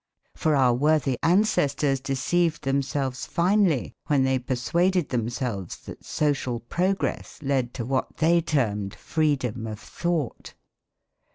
For our worthy ancestors deceived themselves finely when they persuaded themselves that social progress led to what they termed freedom of thought.